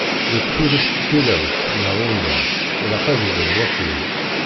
Deg tullist tilawt neɣ ungal ilaq ad iban wakud.